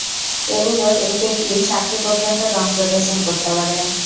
এগুলির এক-একটি সাতটি পর্যন্ত রং প্রদর্শন করতে পারে।